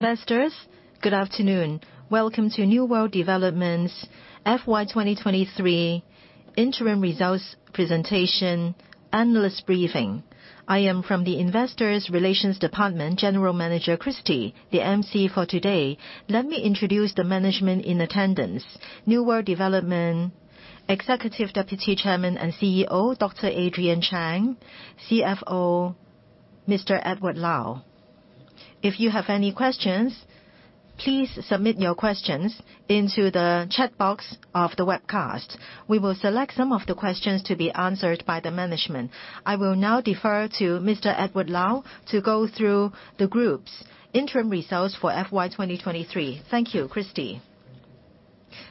Investors, good afternoon. Welcome to New World Development FY 2023 interim results presentation analyst briefing. I am from the investors relations department, General Manager Christy, the MC for today. Let me introduce the management in attendance. New World Development Executive Deputy Chairman and CEO, Dr. Adrian Cheng. CFO, Mr. Edward Lau. If you have any questions, please submit your questions into the chat box of the webcast. We will select some of the questions to be answered by the management. I will now defer to Mr. Edward Lau to go through the group's interim results for FY 2023. Thank you, Christy.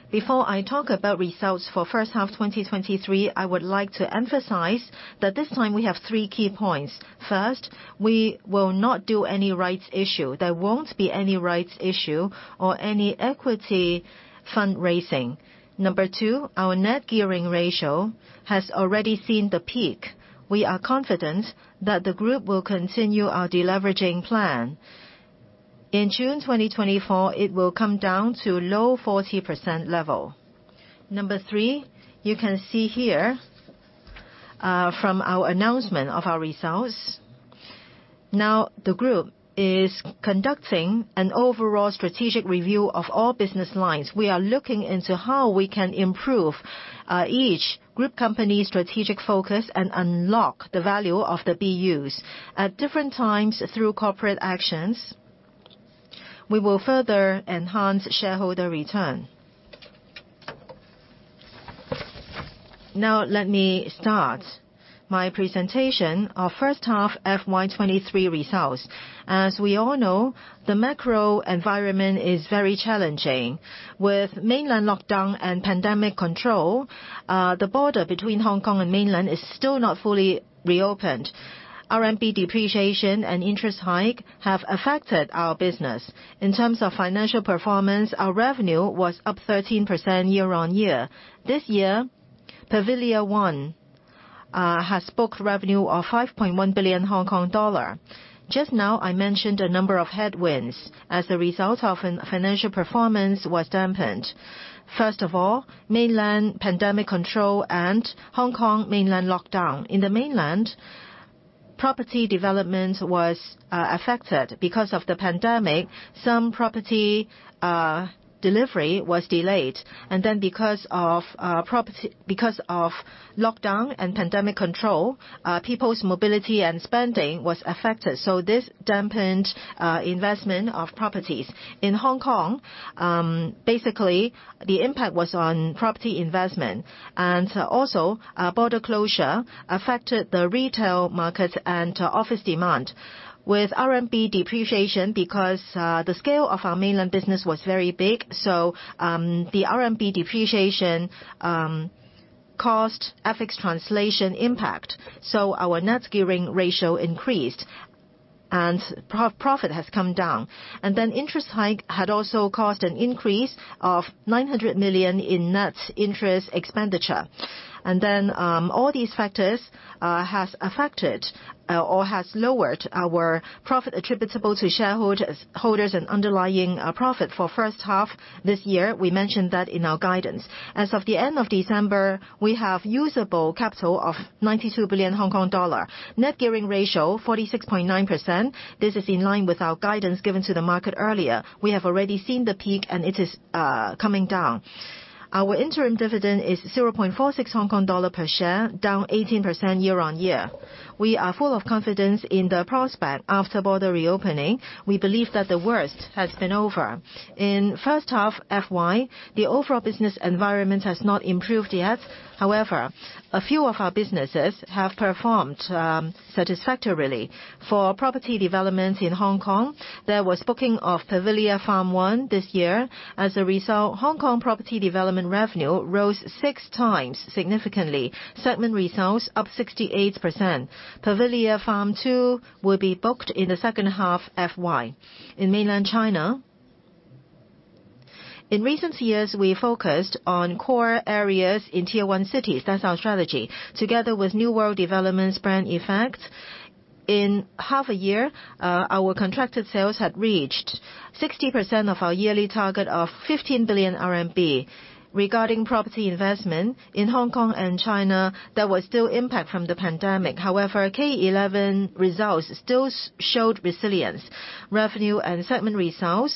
Before I talk about results for first half 2023, I would like to emphasize that this time we have three key points. First, we will not do any rights issue. There won't be any rights issue or any equity fundraising. Number two, our net gearing ratio has already seen the peak. We are confident that the group will continue our deleveraging plan. In June 2024, it will come down to low 40% level. Number three, you can see here, from our announcement of our results. Now the group is conducting an overall strategic review of all business lines. We are looking into how we can improve, each group company's strategic focus and unlock the value of the BUs. At different times through corporate actions, we will further enhance shareholder return. Now let me start my presentation of first half FY 2023 results. As we all know, the macro environment is very challenging. With mainland lockdown and pandemic control, the border between Hong Kong and mainland is still not fully reopened. RMB depreciation and interest hike have affected our business. In terms of financial performance, our revenue was up 13% year-over-year. This year, Pavilia One has booked revenue of 5.1 billion Hong Kong dollar. Just now, I mentioned a number of headwinds as a result of financial performance was dampened. First of all, mainland pandemic control and Hong Kong mainland lockdown. In the mainland, property development was affected. Because of the pandemic, some property delivery was delayed. Because of lockdown and pandemic control, people's mobility and spending was affected. This dampened investment of properties. In Hong Kong, basically the impact was on property investment. Border closure affected the retail markets and office demand. With RMB depreciation because the scale of our mainland business was very big, the RMB depreciation cost FX translation impact. Our net gearing ratio increased, and pro-profit has come down. Interest hike had also caused an increase of 900 million in net interest expenditure. All these factors has affected or has lowered our profit attributable to shareholders and underlying profit for first half this year. We mentioned that in our guidance. As of the end of December, we have usable capital of 92 billion Hong Kong dollar. Net gearing ratio 46.9%. This is in line with our guidance given to the market earlier. We have already seen the peak and it is coming down. Our interim dividend is 0.46 Hong Kong dollar per share, down 18% year-over-year. We are full of confidence in the prospect after border reopening. We believe that the worst has been over. In first half FY, the overall business environment has not improved yet. A few of our businesses have performed satisfactorily. For property developments in Hong Kong, there was booking of The Pavilia Farm I this year. Hong Kong property development revenue rose six times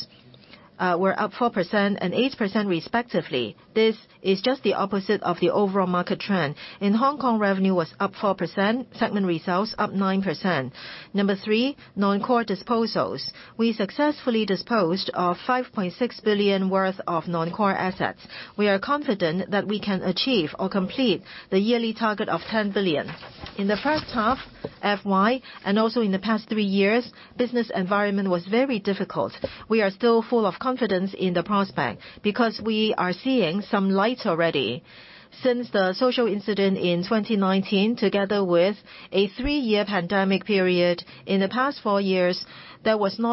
significantly. Segment results up 68%.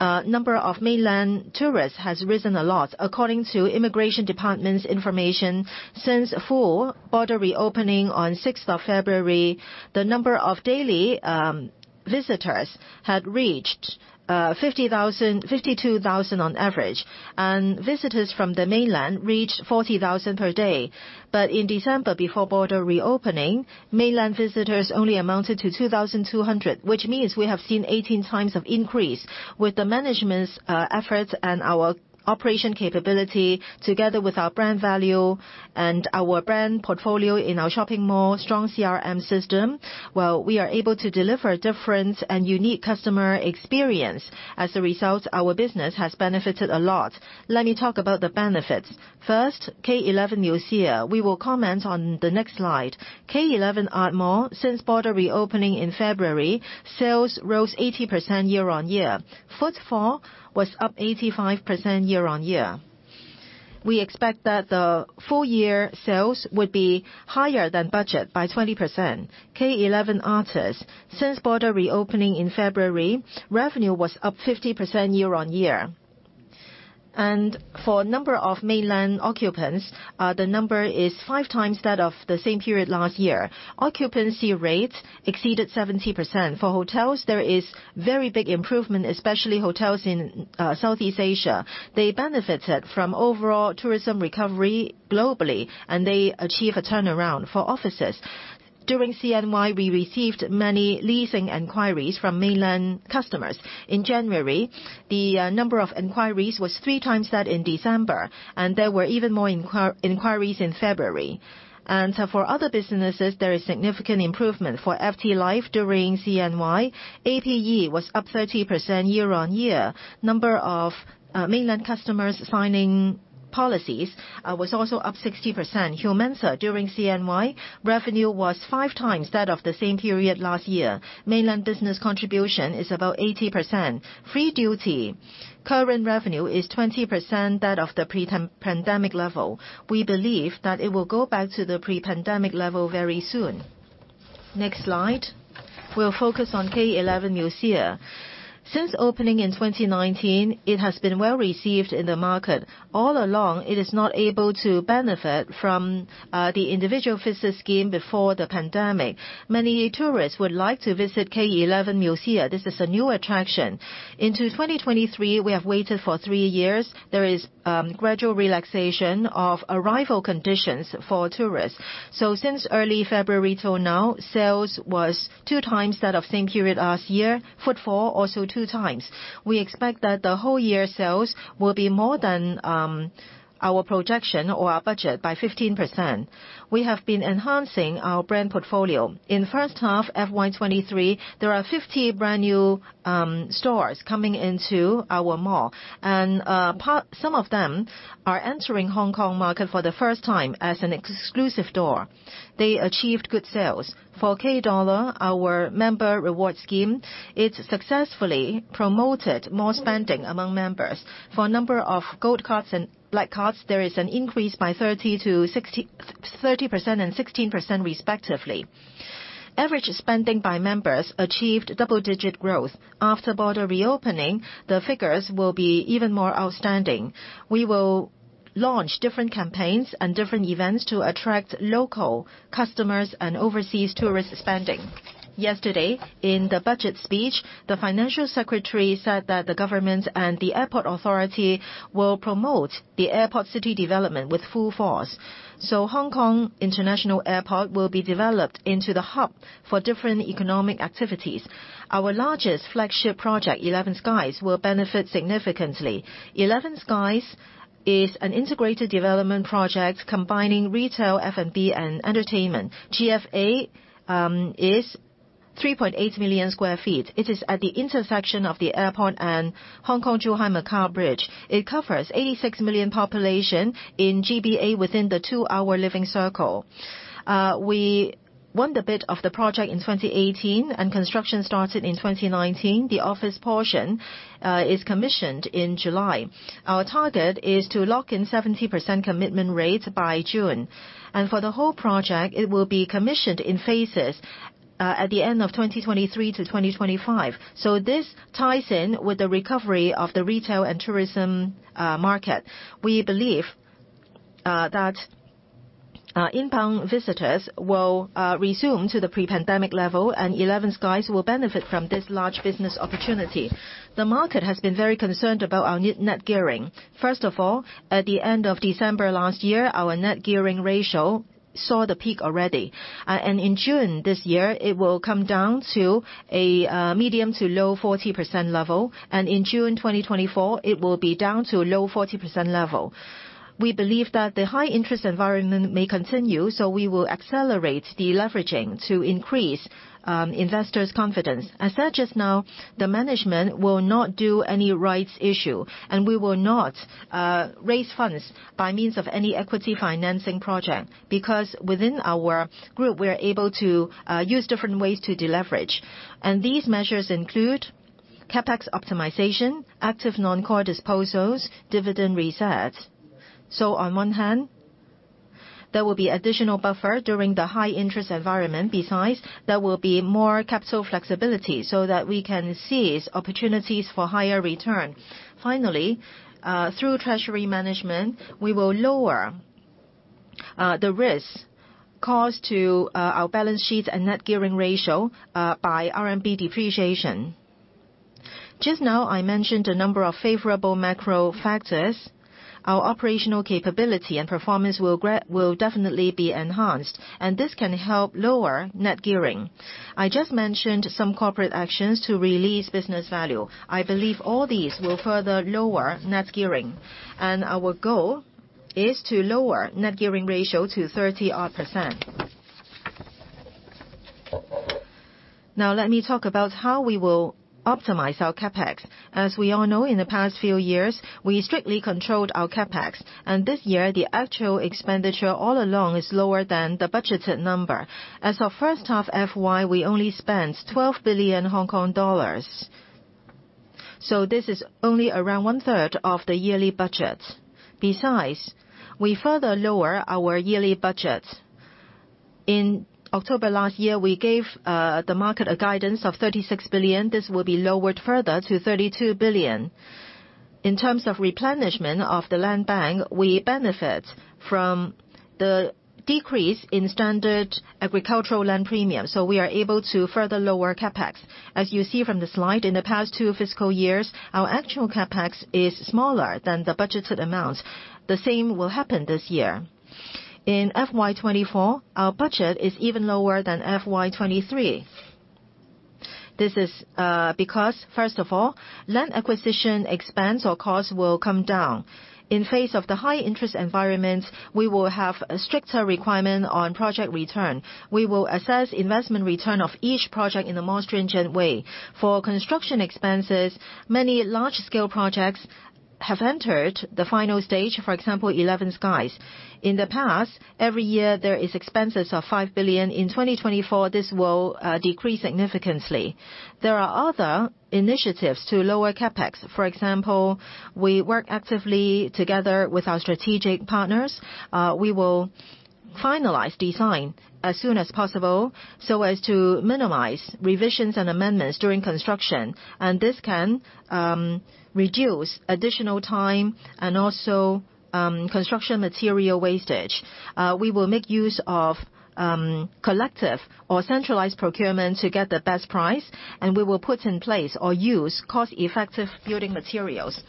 number of mainland tourists has risen a lot. According to Immigration Department's information, since full border reopening on sixth of February, the number of daily visitors had reached 52,000 on average. Visitors from the mainland reached 40,000 per day. In December, before border reopening, mainland visitors only amounted to 2,200, which means we have seen 18 times of increase. With the management's efforts and our operation capability, together with our brand value and our brand portfolio in our shopping mall, strong CRM system, well, we are able to deliver different and unique customer experience. As a result, our business has benefited a lot. Let me talk about the benefits. First, K11 MUSEA. We will comment on the next slide. K11 Art Mall, since border reopening in February, sales rose 80% year-over-year. Footfall was up 85% year-over-year. We expect that the full-year sales would be higher than budget by 20%. K11 ARTUS, since border reopening in February, revenue was up 50% year-over-year. For number of mainland occupants, the number is 5x that of the same period last year. Occupancy rates exceeded 70%. For hotels, there is very big improvement, especially hotels in Southeast Asia. They benefited from overall tourism recovery globally, and they achieve a turnaround for offices. During CNY, we received many leasing inquiries from mainland customers. In January, the number of inquiries was 3x that in December, and there were even more inquiries in February. For other businesses, there is significant improvement. For FTLife during CNY, APE was up 30% year on year. Number of mainland customers signing policies was also up 60%. Humansa, during CNY, revenue was 5x that of the same period last year. Mainland business contribution is about 80%. Free Duty, current revenue is 20% that of the pre-pan-pandemic level. We believe that it will go back to the pre-pandemic level very soon. Next slide. We'll focus on K11 MUSEA. Since opening in 2019, it has been well-received in the market. All along, it is not able to benefit from the individual visitor scheme before the pandemic. Many tourists would like to visit K11 MUSEA. This is a new attraction. Into 2023, we have waited for three years. There is gradual relaxation of arrival conditions for tourists. Since early February till now, sales was 2x that of same period last year. Footfall, also 2x. We expect that the whole year sales will be more than our projection or our budget by 15%. We have been enhancing our brand portfolio. In first half FY23, there are 50 brand-new stores coming into our mall. Some of them are entering Hong Kong market for the first time as an exclusive door. They achieved good sales. For K Dollar, our member reward scheme, it successfully promoted more spending among members. For number of Gold Cards and Black Cards, there is an increase by 30% and 16% respectively. Average spending by members achieved double-digit growth. After border reopening, the figures will be even more outstanding. We will launch different campaigns and different events to attract local customers and overseas tourist spending. Yesterday, in the budget speech, the financial secretary said that the government and the airport authority will promote the airport city development with full force. Hong Kong International Airport will be developed into the hub for different economic activities. Our largest flagship project, 11 SKIES, will benefit significantly. 11 SKIES is an integrated development project combining retail, F&B, and entertainment. GFA is 3.8 million sq ft. It is at the intersection of the airport and Hong Kong-Zhuhai-Macau Bridge. It covers 86 million population in GBA within the two-hour living circle. We won the bid of the project in 2018, and construction started in 2019. The office portion is commissioned in July. Our target is to lock in 70% commitment rates by June. For the whole project, it will be commissioned in phases at the end of 2023 to 2025. This ties in with the recovery of the retail and tourism market. We believe inbound visitors will resume to the pre-pandemic level, and 11 SKIES will benefit from this large business opportunity. The market has been very concerned about our net gearing. First of all, at the end of December last year, our net gearing ratio saw the peak already. In June this year it will come down to a medium to low 40% level, and in June 2024 it will be down to a low 40% level. We believe that the high interest environment may continue. We will accelerate deleveraging to increase investors' confidence. As such as now, the management will not do any rights issue. We will not raise funds by means of any equity financing project because within our group we are able to use different ways to deleverage. These measures include CapEx optimization, active non-core disposals, dividend resets. On one hand, there will be additional buffer during the high interest environment. There will be more capital flexibility so that we can seize opportunities for higher return. Finally, through treasury management, we will lower the risks caused to our balance sheet and net gearing ratio by RMB depreciation. Just now I mentioned a number of favorable macro factors. Our operational capability and performance will definitely be enhanced, and this can help lower net gearing. I just mentioned some corporate actions to release business value. I believe all these will further lower net gearing, and our goal is to lower net gearing ratio to 30 odd percent. Let me talk about how we will optimize our CapEx. As we all know, have entered the final stage, for example, 11 SKIES. In the past, every year there is expenses of 5 billion. In 2024, this will decrease significantly. There are other initiatives to lower CapEx. For example, we work actively together with our strategic partners. We will finalize design as soon as possible so as to minimize revisions and amendments during construction. This can reduce additional time and also construction material wastage. We will make use of collective or centralized procurement to get the best price, and we will put in place or use cost-effective building materials.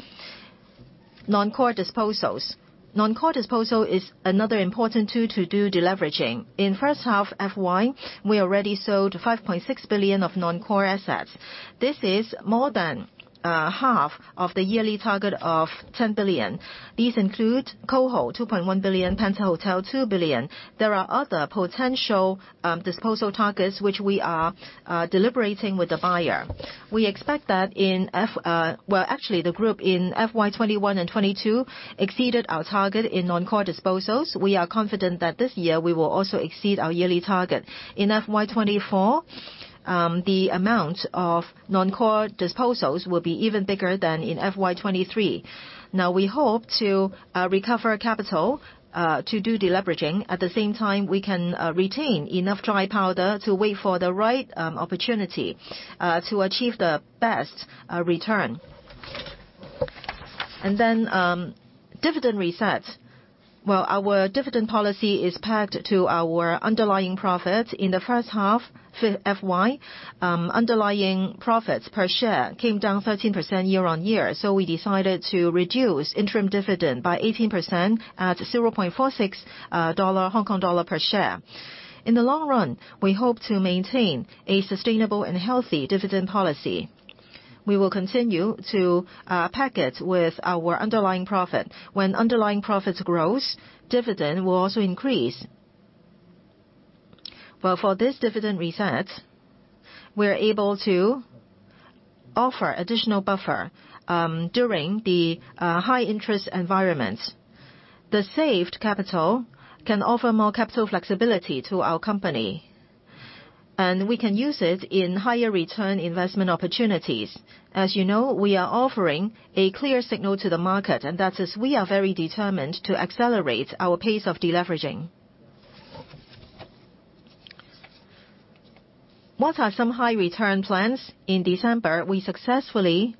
Non-core disposals. Non-core disposal is another important tool to do deleveraging. In first half FY, we already sold 5.6 billion of non-core assets. This is more than half of the yearly target of 10 billion. These include Coho, 2.1 billion, Pentahotel, 2 billion. There are other potential disposal targets which we are deliberating with the buyer. We expect that the group in FY 2021 and 2022 exceeded our target in non-core disposals. We are confident that this year we will also exceed our yearly target. In FY 2024, the amount of non-core disposals will be even bigger than in FY 2023. We hope to recover capital to do deleveraging. At the same time, we can retain enough dry powder to wait for the right opportunity to achieve the best return. Dividend reset. Our dividend policy is pegged to our underlying profits. In the first half FY, underlying profits per share came down 13% year-on-year. We decided to reduce interim dividend by 18% at 0.46 dollar per share. In the long run, we hope to maintain a sustainable and healthy dividend policy. We will continue to peg it with our underlying profit. When underlying profits grows, dividend will also increase. For this dividend reset, we're able to offer additional buffer during the high interest environment. The saved capital can offer more capital flexibility to our company, and we can use it in higher return investment opportunities. As you know, we are offering a clear signal to the market. That is we are very determined to accelerate our pace of deleveraging. What are some high return plans? In December, we successfully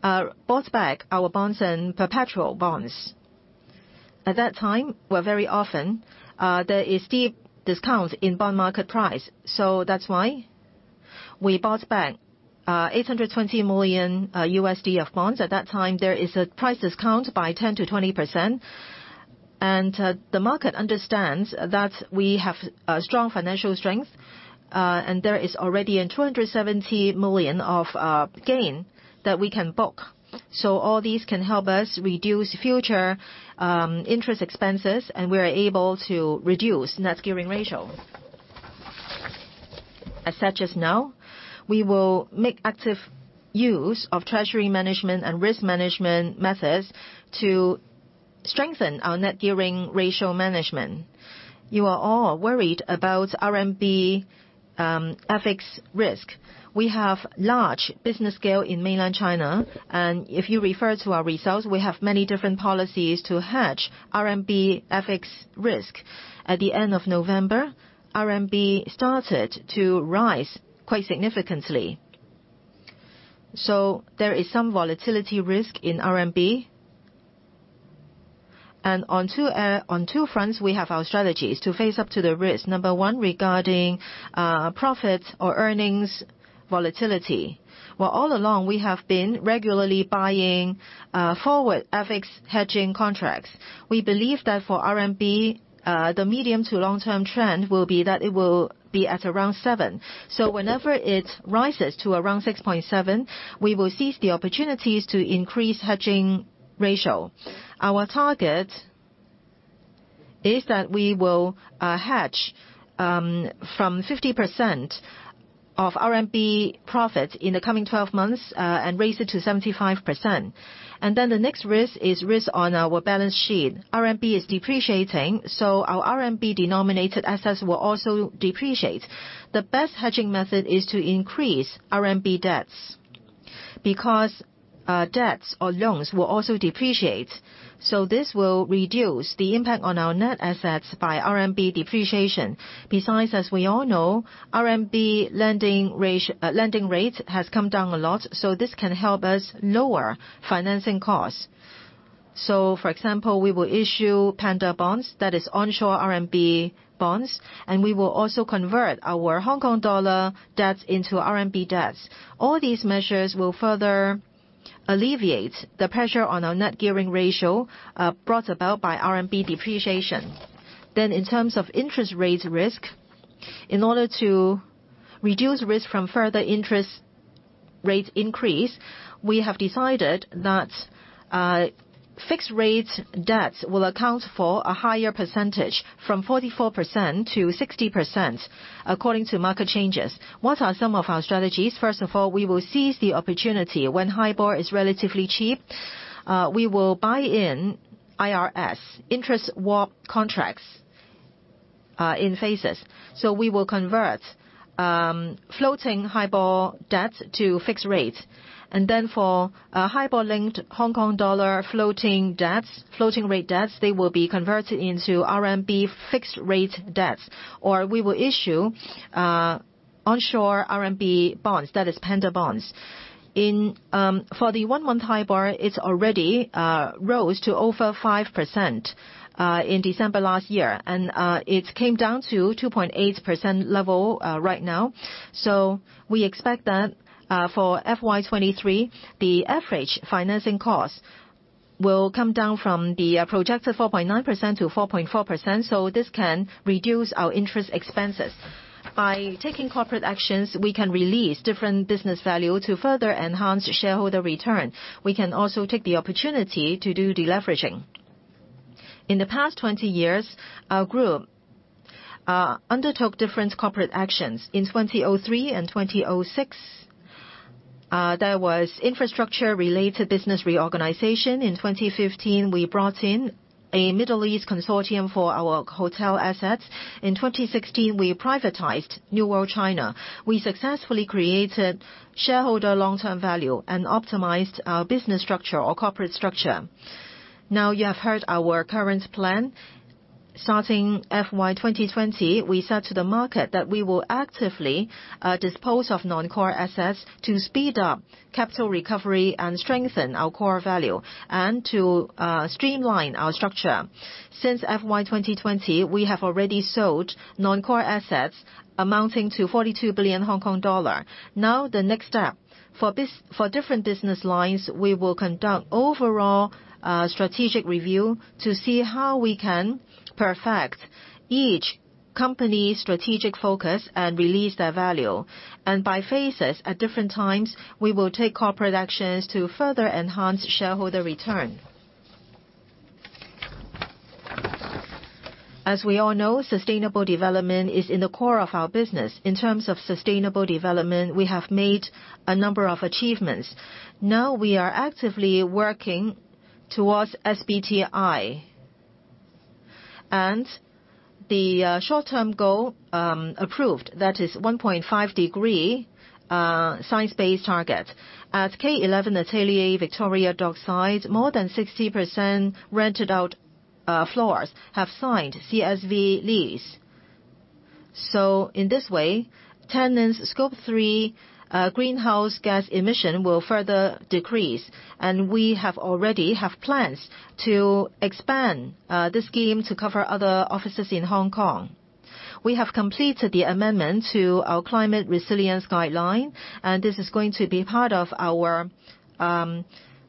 bought back our bonds and perpetual bonds. At that time, where very often, there is deep discount in bond market price. That's why we bought back $820 million of bonds. At that time, there is a price discount by 10%-20%. The market understands that we have a strong financial strength, and there is already a 270 million of gain that we can book. All these can help us reduce future interest expenses, and we are able to reduce net gearing ratio. As such as now, we will make active use of treasury management and risk management methods to strengthen our net gearing ratio management. You are all worried about RMB, FX risk. We have large business scale in mainland China, and if you refer to our results, we have many different policies to hedge RMB FX risk. At the end of November, RMB started to rise quite significantly. There is some volatility risk in RMB. On two fronts, we have our strategies to face up to the risk. Number one, regarding profit or earnings volatility. Well, all along, we have been regularly buying forward FX hedging contracts. We believe that for RMB, the medium to long-term trend will be that it will be at around 7. Whenever it rises to around 6.7, we will seize the opportunities to increase hedging ratio. Our target is that we will hedge from 50% of RMB profit in the coming 12 months and raise it to 75%. The next risk is risk on our balance sheet. RMB is depreciating. Our RMB-denominated assets will also depreciate. The best hedging method is to increase RMB debts. Debts or loans will also depreciate. This will reduce the impact on our net assets by RMB depreciation. Besides, as we all know, RMB lending rate has come down a lot. This can help us lower financing costs. For example, we will issue panda bonds, that is onshore RMB bonds, and we will also convert our Hong Kong dollar debts into RMB debts. All these measures will further alleviate the pressure on our net gearing ratio brought about by RMB depreciation. In terms of interest rates risk, in order to reduce risk from further interest rate increase, we have decided that fixed rates debts will account for a higher percentage from 44%-60% according to market changes. What are some of our strategies? First of all, we will seize the opportunity. When HIBOR is relatively cheap, we will buy in IRS, interest swap contracts, in phases. We will convert floating HIBOR debt to fixed rate. For HIBOR-linked Hong Kong dollar floating debts, floating rate debts, they will be converted into RMB fixed rate debts. We will issue onshore RMB bonds, that is panda bonds. For the one-month HIBOR, it already rose to over 5% in December last year. It came down to 2.8% level right now. We expect that for FY 2023, the average financing cost will come down from the projected 4.9% to 4.4%, so this can reduce our interest expenses. By taking corporate actions, we can release different business value to further enhance shareholder return. We can also take the opportunity to do deleveraging. In the past 20 years, our group undertook different corporate actions. In 2003 and 2006, there was infrastructure-related business reorganization. In 2015, we brought in a Middle East consortium for our hotel assets. In 2016, we privatized New World China. We successfully created shareholder long-term value and optimized our business structure or corporate structure. You have heard our current plan. Starting FY 2020, we said to the market that we will actively dispose of non-core assets to speed up capital recovery and strengthen our core value and to streamline our structure. Since FY 2020, we have already sold non-core assets amounting to 42 billion Hong Kong dollar. The next step. For different business lines, we will conduct overall strategic review to see how we can perfect each company's strategic focus and release their value. By phases, at different times, we will take corporate actions to further enhance shareholder return. As we all know, sustainable development is in the core of our business. In terms of sustainable development, we have made a number of achievements. We are actively working towards SBTi. The short-term goal approved, that is 1.5 degree science-based target. At K11 Atelier Victoria Dockside, more than 60% rented out floors have signed CSV lease. In this way, tenants Scope 3 greenhouse gas emission will further decrease. We have already have plans to expand the scheme to cover other offices in Hong Kong. We have completed the amendment to our climate resilience guideline. This is going to be part of our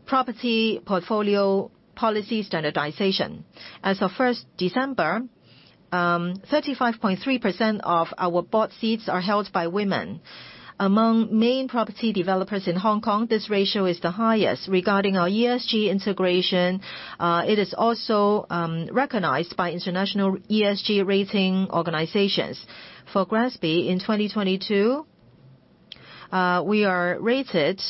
property portfolio policy standardization. As of 1st December, 35.3% of our board seats are held by women. Among main property developers in Hong Kong, this ratio is the highest. Regarding our ESG integration, it is also recognized by international ESG rating organizations. For GRESB, in 2022, we are rated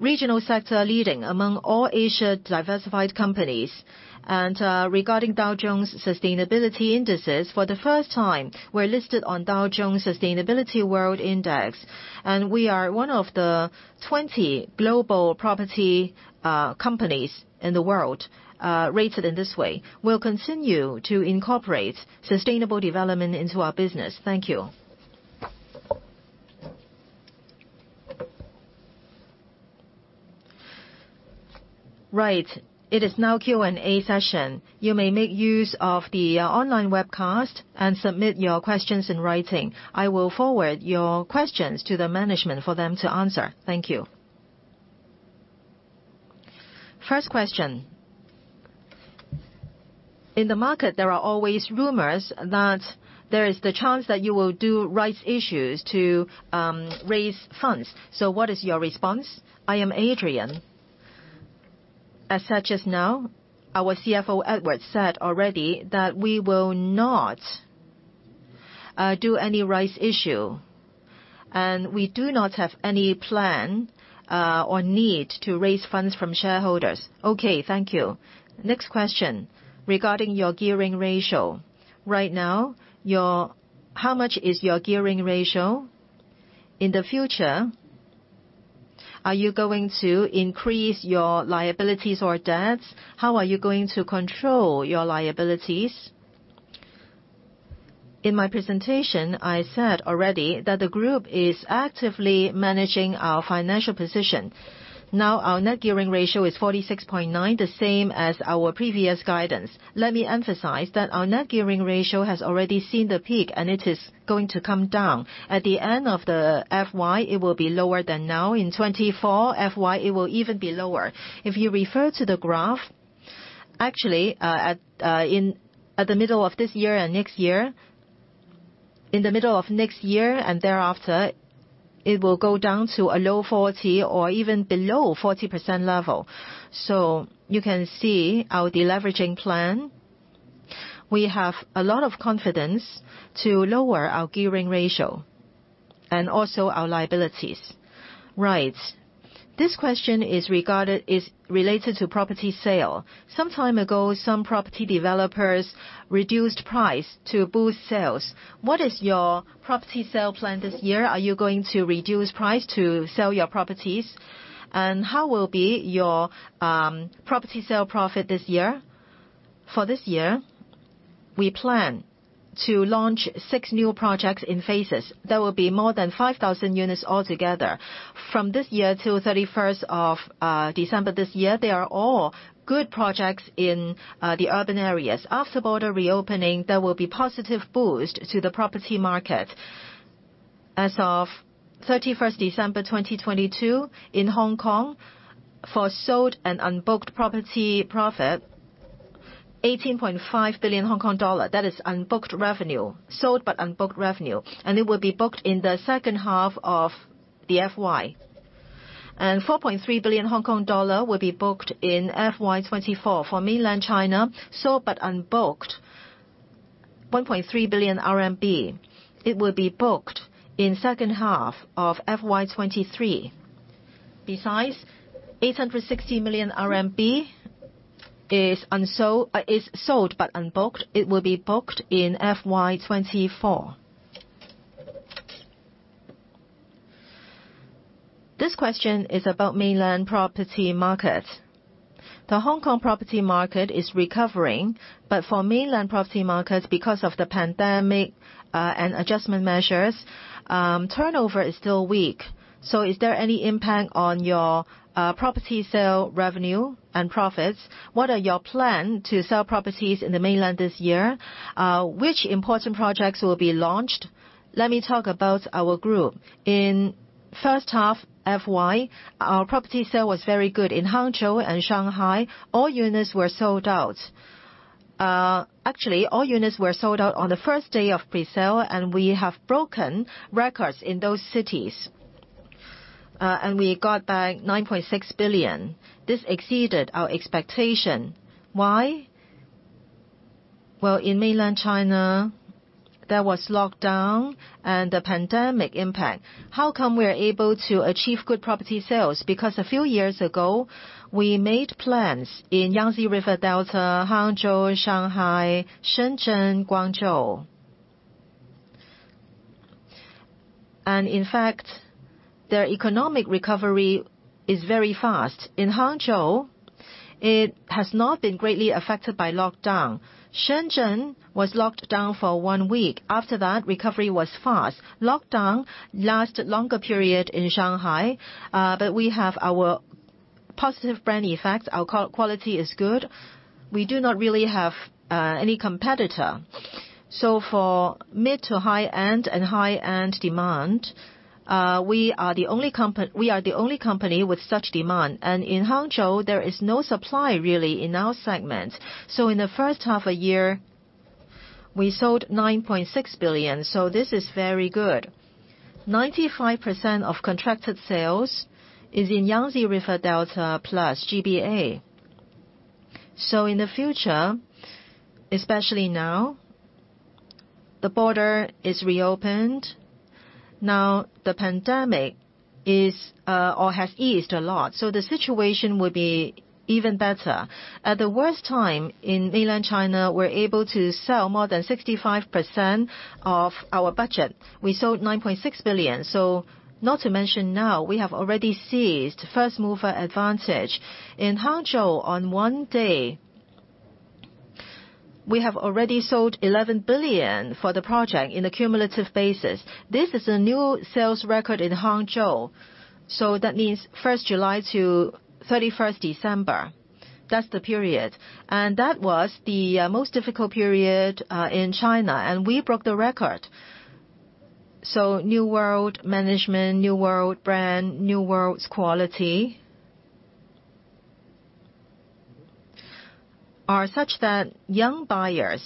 regional sector leading among all Asia diversified companies. Regarding Dow Jones Sustainability Indices, for the first time, we're listed on Dow Jones Sustainability World Index, we are one of the 20 global property companies in the world rated in this way. We'll continue to incorporate sustainable development into our business. Thank you. Right. It is now Q&A session. You may make use of the online webcast and submit your questions in writing. I will forward your questions to the management for them to answer. Thank you. First question, in the market, there are always rumors that there is the chance that you will do rights issues to raise funds. What is your response? I am Adrian. As such as now, our CFO, Edward, said already that we will not do any rights issue, we do not have any plan or need to raise funds from shareholders. Okay, thank you. Next question, regarding your gearing ratio. How much is your gearing ratio? In the future, are you going to increase your liabilities or debts? How are you going to control your liabilities? In my presentation, I said already that the group is actively managing our financial position. Now, our net gearing ratio is 46.9, the same as our previous guidance. Let me emphasize that our net gearing ratio has already seen the peak, and it is going to come down. At the end of the FY, it will be lower than now. In 2024 FY, it will even be lower. If you refer to the graph, actually, at the middle of this year and next year, in the middle of next year and thereafter, it will go down to a low 40 or even below 40% level. You can see our deleveraging plan. We have a lot of confidence to lower our gearing ratio and also our liabilities. Right. This question is related to property sale. Some time ago, some property developers reduced price to boost sales. What is your property sale plan this year? Are you going to reduce price to sell your properties? How will be your property sale profit this year? For this year, we plan to launch 6 new projects in phases. There will be more than 5,000 units altogether. From this year till 31st of December this year, they are all good projects in the urban areas. After border reopening, there will be positive boost to the property market. As of 31st December 2022, in Hong Kong, for sold and unbooked property profit, 18.5 billion Hong Kong dollar. That is unbooked revenue. Sold, but unbooked revenue. It will be booked in the second half of the FY. HKD 4.3 billion will be booked in FY 2024. For mainland China, sold but unbooked, 1.3 billion RMB. It will be booked in second half of FY 2023. RMB 860 million is sold but unbooked. It will be booked in FY 2024. This question is about mainland property market. The Hong Kong property market is recovering. For mainland property markets, because of the pandemic, and adjustment measures, turnover is still weak. Is there any impact on your property sale revenue and profits? What are your plan to sell properties in the mainland this year? Which important projects will be launched? Let me talk about our group. In first half FY, our property sale was very good. In Hangzhou and Shanghai, all units were sold out. Actually, all units were sold out on the first day of presale. We have broken records in those cities. We got back 9.6 billion. This exceeded our expectation. Why? Well, in Mainland China, there was lockdown and the pandemic impact. How come we are able to achieve good property sales? Because a few years ago, we made plans in Yangtze River Delta, Hangzhou, Shanghai, Shenzhen, Guangzhou. In fact, their economic recovery is very fast. In Hangzhou, it has not been greatly affected by lockdown. Shenzhen was locked down for one week. After that, recovery was fast. Lockdown lasted longer period in Shanghai. We have our positive brand effects. Our quality is good. We do not really have any competitor. For mid to high-end and high-end demand, we are the only company with such demand. In Hangzhou, there is no supply really in our segment. In the first half a year, we sold 9.6 billion. This is very good. 95% of contracted sales is in Yangtze River Delta plus GBA. In the future, especially now, the border is reopened. Now the pandemic has eased a lot, so the situation will be even better. At the worst time in mainland China, we're able to sell more than 65% of our budget. We sold 9.6 billion. Not to mention now, we have already seized first mover advantage. In Hangzhou, on one day, we have already sold 11 billion for the project in a cumulative basis. This is a new sales record in Hangzhou. That means 1st July to 31st December. That's the period. That was the most difficult period in China, and we broke the record. New World management, New World brand, New World's quality are such that young buyers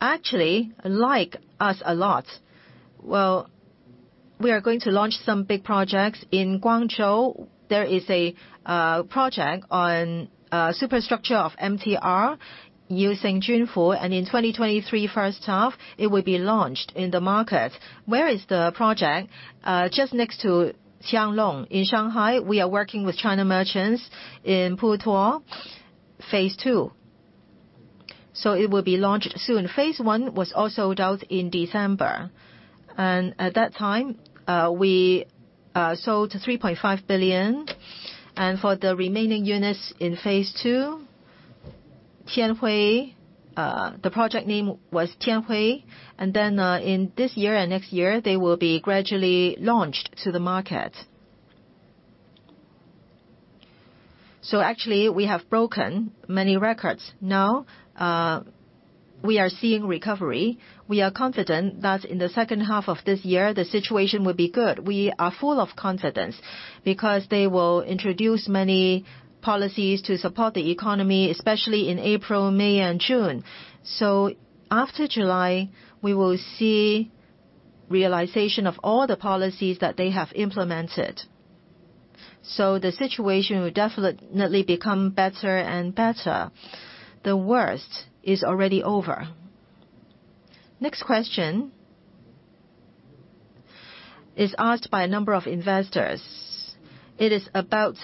actually like us a lot. We are going to launch some big projects. In Guangzhou, there is a project on superstructure of MTR using Junfu, and in 2023 1st half, it will be launched in the market. Where is the project? Just next to Xianglong in Shanghai, we are working with China Merchants in Putuo, phase two, so it will be launched soon. Phase one was all sold out in December, and at that time, we sold 3.5 billion. For the remaining units in phase two, Tianhui, the project name was Tianhui, in this year and next year, they will be gradually launched to the market. Actually, we have broken many records. Now, we are seeing recovery. We are confident that in the second half of this year, the situation will be good. We are full of confidence because they will introduce many policies to support the economy, especially in April, May, and June. After July, we will see realization of all the policies that they have implemented, so the situation will definitely become better and better. The worst is already over. Next question is asked by a number of investors. It is about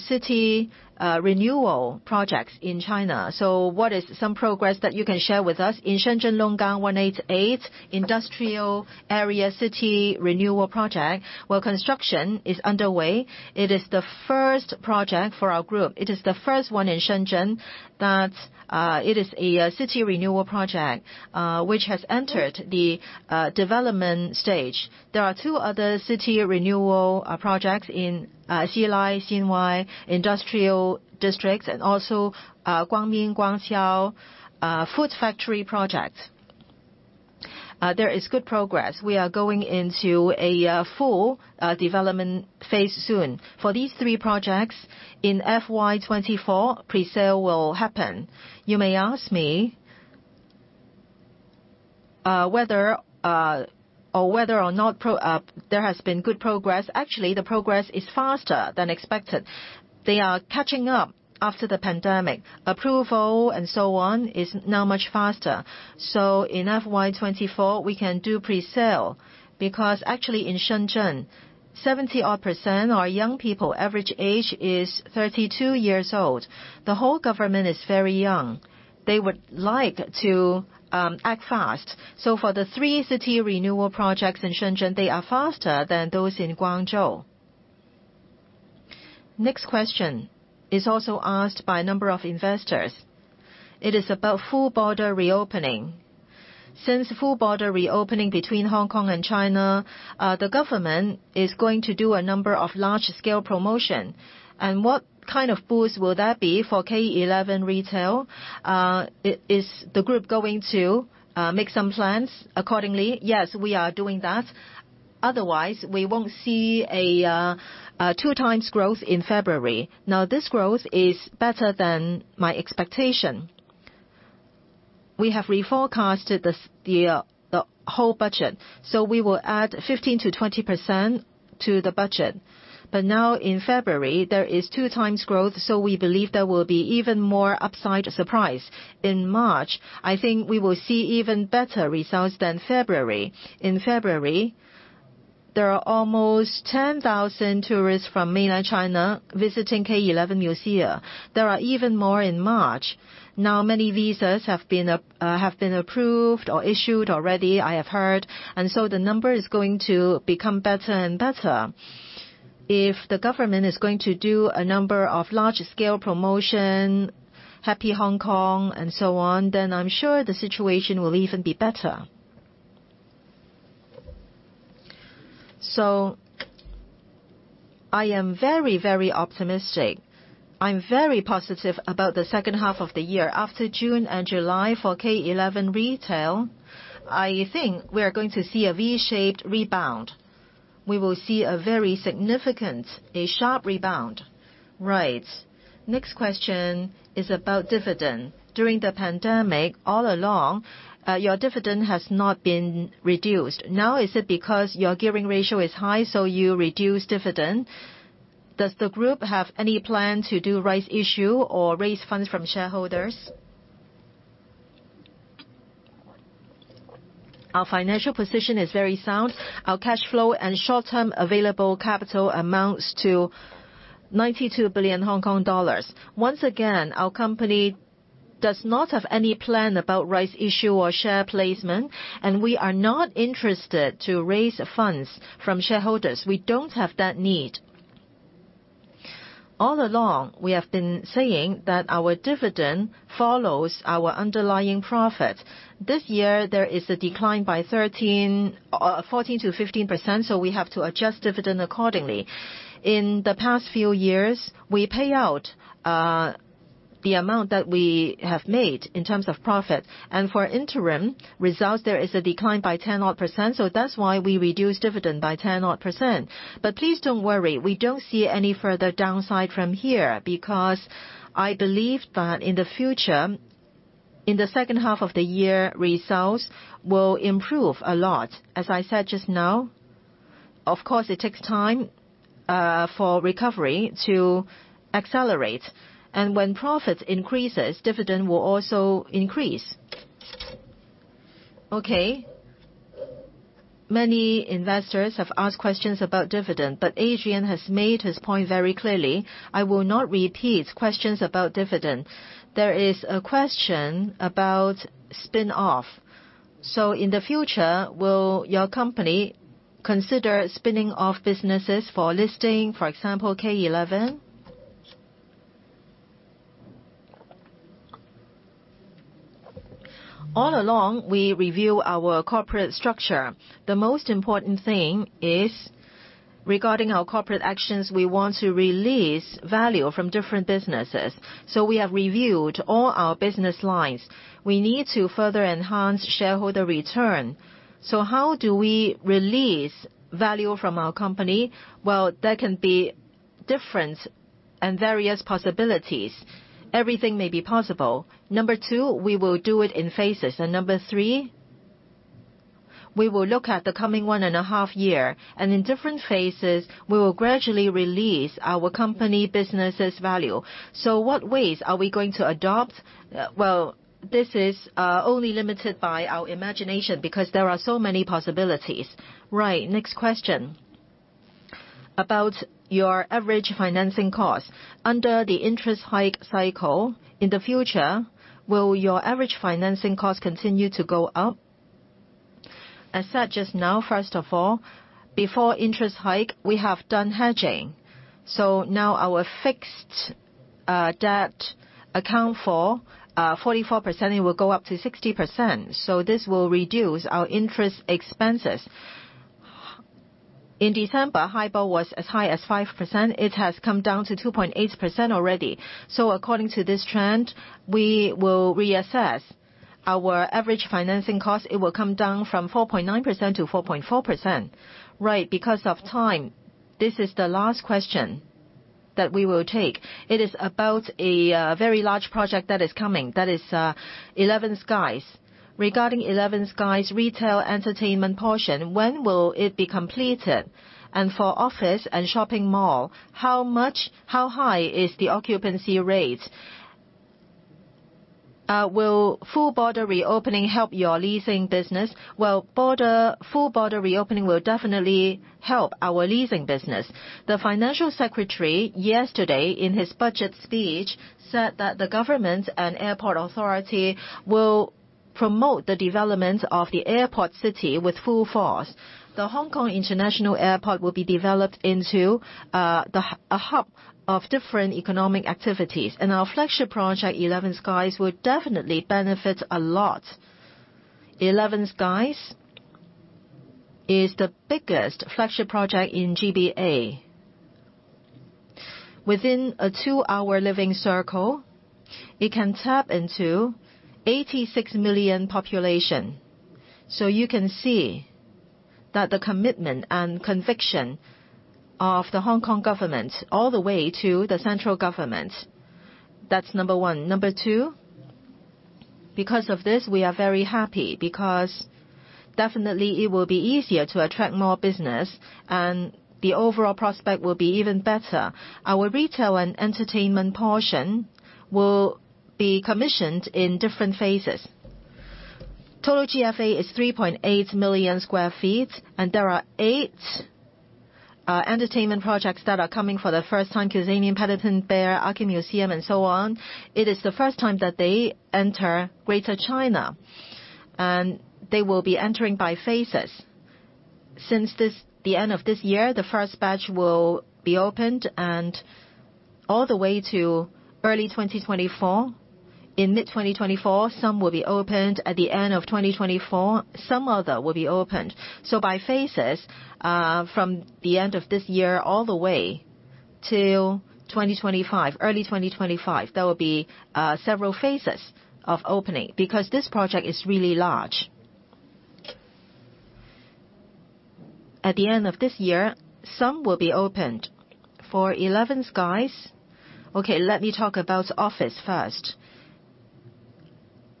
city renewal projects in China. What is some progress that you can share with us in Shenzhen Longgang 188 Industrial Zone city renewal project? Well, construction is underway. It is the first project for our group. It is the first one in Shenzhen that it is a city renewal project which has entered the development stage. There are two other city renewal projects in Xili, Xinwei industrial districts and also Guangming, Guangqiao food factory projects. There is good progress. We are going into a full development phase soon. For these three projects in FY 2024, presale will happen. You may ask me whether or whether or not there has been good progress. Actually, the progress is faster than expected. They are catching up after the pandemic. Approval and so on is now much faster. In FY 2024, we can do presale because actually in Shenzhen, 70 odd % are young people. Average age is 32 years old. The whole government is very young. They would like to act fast. For the three city renewal projects in Shenzhen, they are faster than those in Guangzhou. Next question is also asked by a number of investors. It is about full border reopening. Since full border reopening between Hong Kong and China, the government is going to do a number of large-scale promotion, what kind of boost will that be for K11 retail? Is the group going to make some plans accordingly? Yes, we are doing that. Otherwise, we won't see a two times growth in February. This growth is better than my expectation. We have reforecasted this the whole budget. We will add 15%-20% to the budget. Now in February, there is 2x growth, so we believe there will be even more upside surprise. In March, I think we will see even better results than February. In February, there are almost 10,000 tourists from mainland China visiting K11 MUSEA. There are even more in March. Now, many visas have been approved or issued already, I have heard. The number is going to become better and better. If the government is going to do a number of large-scale promotion, Happy Hong Kong and so on, I'm sure the situation will even be better. I am very, very optimistic. I'm very positive about the second half of the year. After June and July for K11 retail, I think we are going to see a V-Shaped rebound. We will see a very significant, a sharp rebound. Right. Next question is about dividend. During the pandemic, all along, your dividend has not been reduced. Is it because your gearing ratio is high, so you reduce dividend? Does the group have any plan to do rights issue or raise funds from shareholders? Our financial position is very sound. Our cash flow and short-term available capital amounts to 92 billion Hong Kong dollars. Our company does not have any plan about rights issue or share placement, and we are not interested to raise funds from shareholders. We don't have that need. All along, we have been saying that our dividend follows our underlying profit. This year, there is a decline by 14%-15%, so we have to adjust dividend accordingly. In the past few years, we pay out the amount that we have made in terms of profit. For interim results, there is a decline by 10 odd percent, so that's why we reduced dividend by 10 odd percent. Please don't worry, we don't see any further downside from here, because I believe that in the future, in the second half of the year, results will improve a lot. As I said just now, of course, it takes time for recovery to accelerate, and when profit increases, dividend will also increase. Okay. Many investors have asked questions about dividend, but Adrian has made his point very clearly. I will not repeat questions about dividend. There is a question about spin-off. In the future, will your company consider spinning off businesses for listing, for example, K11? All along, we review our corporate structure. The most important thing is, regarding our corporate actions, we want to release value from different businesses. We have reviewed all our business lines. We need to further enhance shareholder return. How do we release value from our company? Well, there can be different and various possibilities. Everything may be possible. Number two, we will do it in phases. Number three, we will look at the coming one and a half years, and in different phases, we will gradually release our company business' value. What ways are we going to adopt? Well, this is only limited by our imagination because there are so many possibilities. Right. Next question. About your average financing cost. Under the interest hike cycle, in the future, will your average financing cost continue to go up? As said just now, first of all, before interest hike, we have done hedging. Now our fixed debt account for 44%, it will go up to 60%. This will reduce our interest expenses. In December, HIBOR was as high as 5%. It has come down to 2.8% already. According to this trend, we will reassess our average financing cost. It will come down from 4.9% to 4.4%. Right. Because of time, this is the last question that we will take. It is about a very large project that is coming, that is 11 SKIES. Regarding 11 SKIES retail entertainment portion, when will it be completed? For office and shopping mall, how high is the occupancy rate? Will full border reopening help your leasing business? Well, full border reopening will definitely help our leasing business. The financial secretary yesterday, in his budget speech, said that the government and Airport Authority will promote the development of the airport city with full force. Hong Kong International Airport will be developed into a hub of different economic activities. Our flagship project, 11 SKIES, will definitely benefit a lot. 11 SKIES is the biggest flagship project in GBA. Within a two hour living circle, it can tap into 86 million population. You can see that the commitment and conviction of the Hong Kong government, all the way to the central government. That's number one. Number two, because of this, we are very happy, because definitely it will be easier to attract more business, and the overall prospect will be even better. Our retail and entertainment portion will be commissioned in different phases. Total GFA is 3.8 million sq ft. There are eight entertainment projects that are coming for the first time, KidZania, Paddington Bear, Arca Museum, and so on. It is the first time that they enter Greater China. They will be entering by phases. Since the end of this year, the first batch will be opened and all the way to early 2024. In mid-2024, some will be opened. At the end of 2024, some other will be opened. By phases, from the end of this year all the way to 2025, early 2025, there will be several phases of opening because this project is really large. At the end of this year, some will be opened. For 11 SKIES. Okay, let me talk about office first.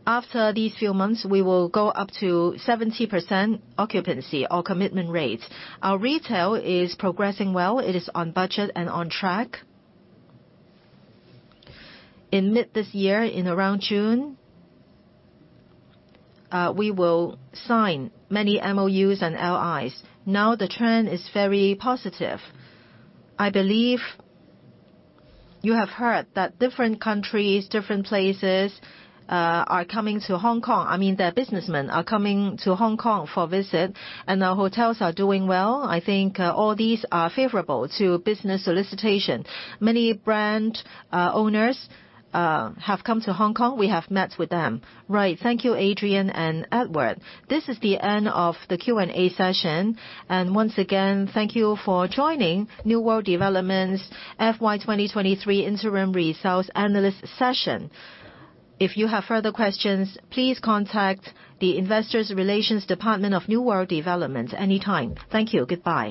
After these few months, we will go up to 70% occupancy or commitment rates. Our retail is progressing well. It is on budget and on track. In mid this year, in around June, we will sign many MOUs and LIs. Now the trend is very positive. I believe you have heard that different countries, different places, are coming to Hong Kong. I mean, the businessmen are coming to Hong Kong for visit, and our hotels are doing well. I think all these are favorable to business solicitation. Many brand owners have come to Hong Kong. We have met with them. Right. Thank you, Adrian and Edward. This is the end of the Q&A session. Once again, thank you for joining New World Development FY 2023 Interim Results Analyst Session. If you have further questions, please contact the Investors Relations Department of New World Development anytime. Thank you. Goodbye.